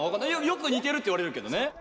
よくにてるって言われるけどね。